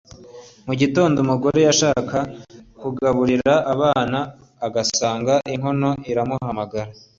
Mu gitondo umugore yashaka kugaburira abana agasanga inkono iramuhamagara.